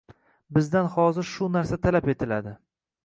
Bizdan hozir shu narsa talab etiladi.